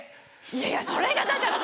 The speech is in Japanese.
いやいやそれがだから。